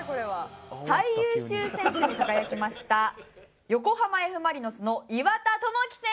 最優秀選手に輝きました横浜Ｆ・マリノスの岩田智輝選手です。